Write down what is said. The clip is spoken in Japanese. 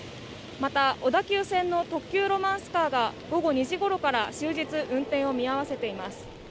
また、小田急線の特急ロマンスカーが午後２時ごろから運転を見合わせています。